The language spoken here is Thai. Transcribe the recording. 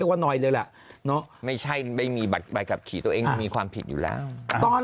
เติมครับหน่อยแล้วนะไม่ใช่ไม่มีบัตรปลายขับขี่ตัวเองมีความผิดอยู่แล้วตอน